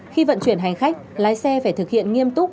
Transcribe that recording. khi vận chuyển hành khách lái xe phải thực hiện nghiêm túc